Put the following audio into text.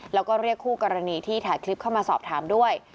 แล้วก็เรียกคู่กรณีที่ถ่ายคลิปเข้ามาสอบถามด้วย